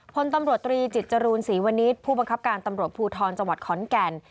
พลตำรวจตรีจิตจรูนศรีวณิชย์ผู้บังคับการตำรวจภูทรจังหวัดขอนแก่น